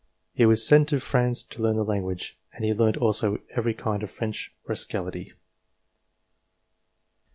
He was sent to France to learn the language, and he learnt also every kind of French rascality.